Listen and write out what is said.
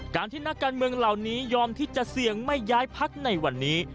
การที่นักการเมืองเหล่านี้ยอมที่จะเสี่ยงไม่ย้ายพักในวันนี้